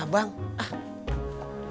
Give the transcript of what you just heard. ya emang lo tau